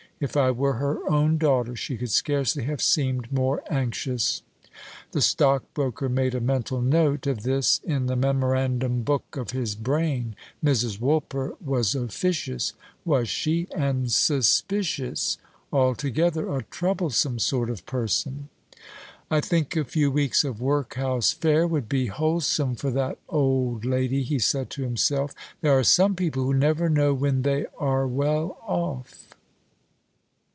If I were her own daughter she could scarcely have seemed more anxious." The stockbroker made a mental note of this in the memorandum book of his brain. Mrs. Woolper was officious, was she, and suspicious? altogether a troublesome sort of person. "I think a few weeks of workhouse fare would be wholesome for that old lady," he said to himself. "There are some people who never know when they are well off."